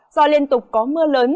do liên tục có mưa lớn